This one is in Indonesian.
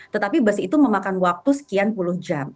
tetapi bus itu memakan waktu sekian puluh jam